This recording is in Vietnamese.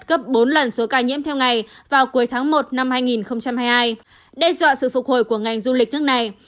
gấp bốn lần số ca nhiễm theo ngày vào cuối tháng một năm hai nghìn hai mươi hai đe dọa sự phục hồi của ngành du lịch nước này